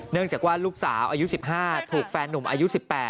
เนื่องจากว่าลูกสาวอายุ๑๕ถูกแฟนหนุ่มอายุ๑๘